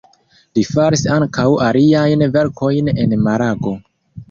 Li faris ankaŭ aliajn verkojn en Malago.